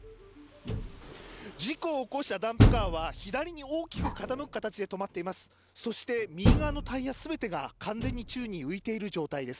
事故を起こしたダンプカーは左に大きく傾く形で止まっています。